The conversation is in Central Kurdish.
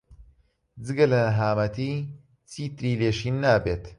جگە لە نەهامەتی چیتری لێ شین نابیت.